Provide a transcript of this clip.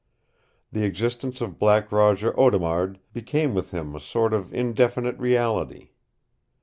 The existence of Black Roger Audemard became with him a sort of indefinite reality.